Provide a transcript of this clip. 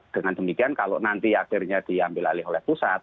dengan demikian kalau nanti akhirnya diambil alih oleh pusat